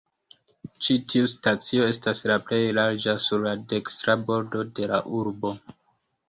Ĉi tiu stacio estas la plej larĝa sur la dekstra bordo de la urbo.